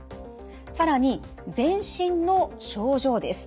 更に全身の症状です。